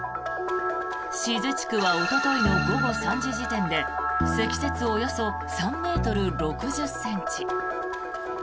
志津地区はおとといの午後３時時点で積雪およそ３ｍ６０ｃｍ。